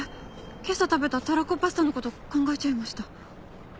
今朝食べたたらこパスタの事考えちゃいました。